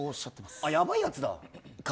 あ、やばいやつだ。